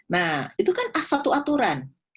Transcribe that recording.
nah itu kan satu aturan